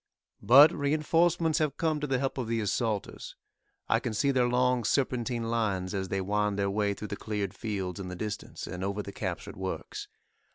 But reinforcements have come to the help of the assaulters. I can see their long serpentine lines as they wind their way through the cleared fields in the distance, and over the captured works.